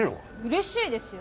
嬉しいですよ